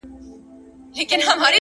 دا يې د ميــــني تـرانـــه ماته كــړه’